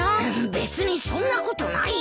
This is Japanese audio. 別にそんなことないよ。